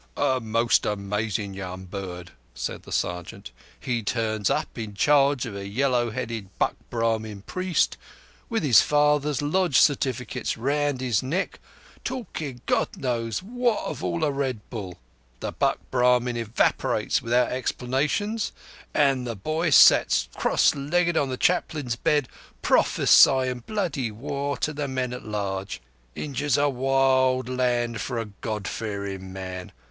"A most amazin' young bird," said the sergeant. "He turns up in charge of a yellow headed buck Brahmin priest, with his father's Lodge certificates round his neck, talkin' God knows what all of a red bull. The buck Brahmin evaporates without explanations, an' the bhoy sets cross legged on the Chaplain's bed prophesyin' bloody war to the men at large. Injia's a wild land for a God fearin' man.